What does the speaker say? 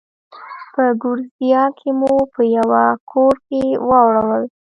په ګوریزیا کې مو په یوه کور کې واړول.